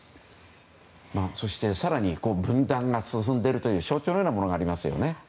更に分断が進んでいるという象徴のようなものがあります。